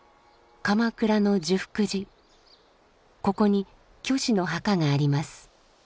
ここに虚子の墓があります。